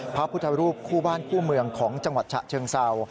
พระพุทธรูปคู่บ้านคู่เมืองของจังหวัดฉะเชิงเศร้า